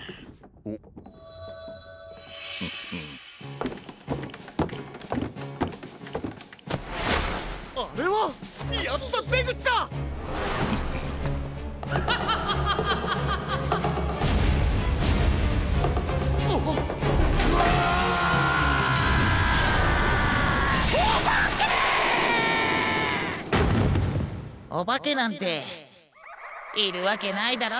いそうおばけなんているわけないだろ？